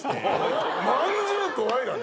『まんじゅう怖い』だね。